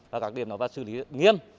và các điểm đó phải xử lý nghiêm